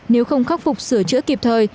nếu không khắc phục sửa chữa kịp thời